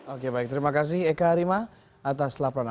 oke baik terima kasih eka arima atas laporan anda